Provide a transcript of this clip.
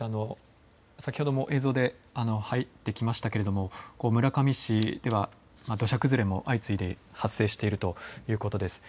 先ほども映像で入ってきましたけれども村上市では土砂崩れも相次いで発生しているということです。